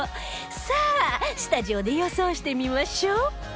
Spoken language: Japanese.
さあスタジオで予想してみましょう